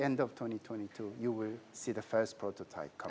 anda akan melihat prototipe pertama